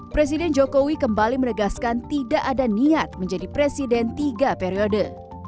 presiden jokowi kembali menegaskan tidak ada niat menjadi presiden tiga periode